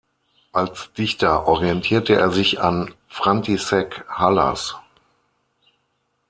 Als Dichter orientierte er sich an František Halas.